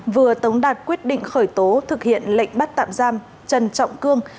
vừa tống đạt quyết định khởi tố thực hiện lệnh bắt tạm giam trần trọng cương